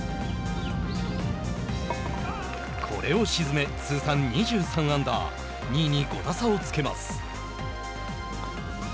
これを沈め、通算２３アンダー２位に５打差をつけます。